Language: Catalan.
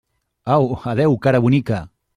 Au, adéu, cara bonica!